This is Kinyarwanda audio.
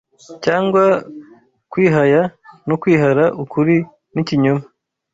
cyangwa kwihaya no kwihara ukuri n’ikinyoma